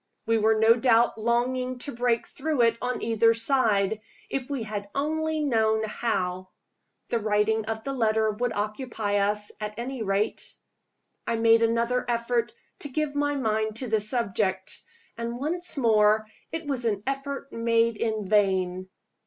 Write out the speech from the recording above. We were no doubt longing to break through it on either side if we had only known how. The writing of the letter would occupy us, at any rate. I made another effort to give my mind to the subject and once more it was an effort made in vain.